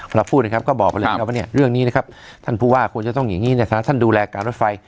เราพูดนะครับก็บอกไปเลยนะครับว่าเนี่ยเรื่องนี้นะครับท่านผู้ว่าควรจะต้องอย่างนี้นะครับท่านดูแลการรถไฟ